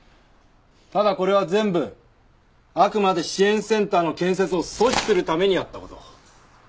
ただこれは全部あくまで支援センターの建設を阻止するためにやった事。